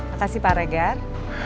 makasih pak regar